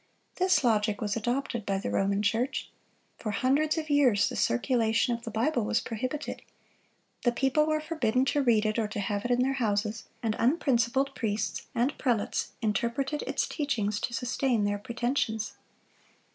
This logic was adopted by the Roman Church. For hundreds of years the circulation of the Bible was prohibited. The people were forbidden to read it or to have it in their houses, and unprincipled priests and prelates interpreted its teachings to sustain their pretensions.